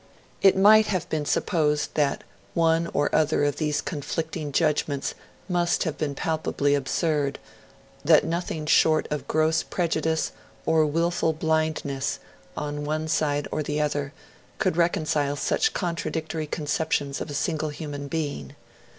It might have been supposed that one or other of these conflicting judgments must have been palpably absurd, that nothing short of gross prejudice or wilful blindness, on one side or the other, could reconcile such contradictory conceptions of a single human being.